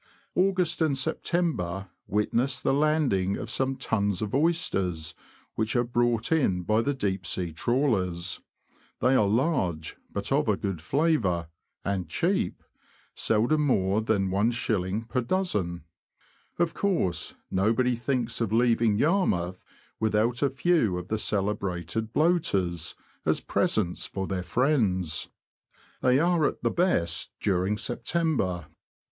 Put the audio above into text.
August and September witness the landing of some tons of oysters, which are brought in by the deep sea trawlers. They are large, but of good flavour, and cheap — seldom more than is. per dozen. Of course, nobody thinks of leaving Yarmouth without a few of the celebrated bloaters, as presents for their friends. They are at the best during September.